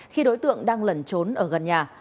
khi đối tượng đang lẩn trốn ở gần nhà